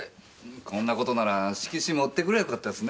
こんなことなら色紙持ってくればよかったですね